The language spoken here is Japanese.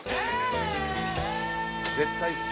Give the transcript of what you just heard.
絶対好き。